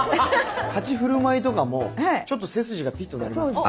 立ち居振る舞いとかもちょっと背筋がピッとなりますもん。